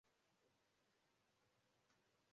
Umusore wiruka inzitizi mu gusimbuka hagati